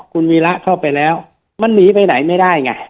คุณวีระเข้าไปแล้วมันหนีไปไหนไม่ได้ไง